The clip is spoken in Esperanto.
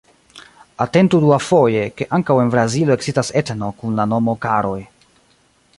Atentu duafoje, ke ankaŭ en Brazilo ekzistas etno kun la nomo "Karoj".